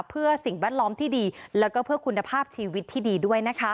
เพื่อสิ่งแวดล้อมที่ดีแล้วก็เพื่อคุณภาพชีวิตที่ดีด้วยนะคะ